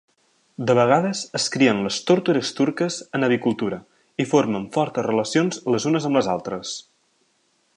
De vegades es crien les tórtores turques en avicultura i formen fortes relacions les unes amb les altres.